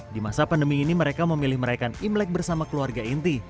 di masa pandemi ini mereka memilih merayakan imlek bersama keluarga inti